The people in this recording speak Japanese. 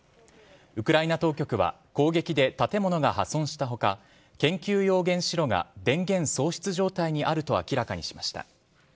ウクライナ当局は攻撃で建物が破損した他研究用原子炉が電源喪失状態にあると明らかにしました。